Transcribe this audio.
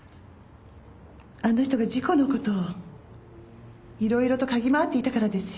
あの人が事故のことをいろいろと嗅ぎ回っていたからですよ。